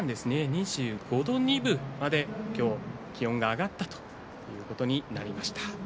２５度２分まで今日は気温が上がったということになりました。